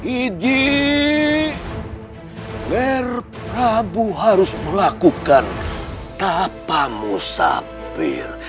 ini ger prabu harus melakukan tapamu sapir